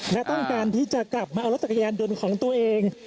และต้องการที่จะกลับมาเอารถจักรยานยนต์ของตัวเอง